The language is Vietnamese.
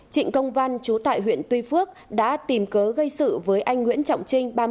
trịnh công văn chú tại huyện tuy phước đã tìm cớ gây sự với anh nguyễn trọng trinh